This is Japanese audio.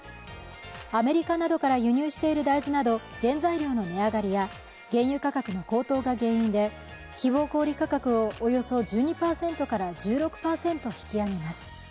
アメリカなどから輸入している大豆など原材料の値上がりや原油価格の高騰が原因で希望小売価格をおよそ１２％から１６％引き上げます。